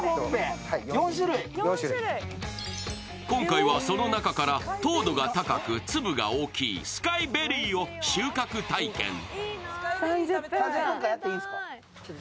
今回は、その中から糖度が高く、粒が大きいスカイベリーを収穫体験。